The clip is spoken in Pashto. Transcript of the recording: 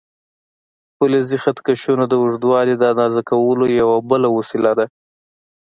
فلزي خط کشونه د اوږدوالي د اندازه کولو یوه بله وسیله ده.